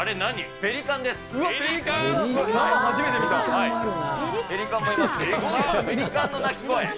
ペリカンの鳴き声？